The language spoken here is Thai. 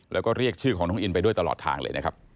แล้วก็เรียกชื่อของน้องอินไปด้วยตลอดทางเลยนะครับ